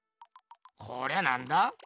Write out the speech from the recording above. こりゃなんだ？